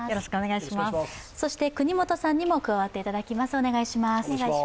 そして國本さんにも加わっていただきます。